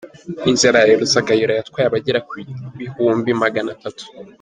Inzara ya Ruzagayura yatwaye abagera ku kubihumbi Magana atatu